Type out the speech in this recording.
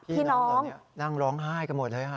พี่น้องตอนนี้นั่งร้องไห้กันหมดเลย